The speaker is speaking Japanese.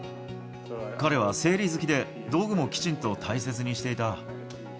彼は整理好きで、道具もきちんと大切にしていた。